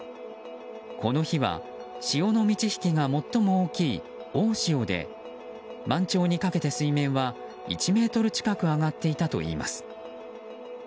この日は潮の満ち引きが最も大きい大潮で満潮にかけて、水面は１ｍ近く上がっていたといいます。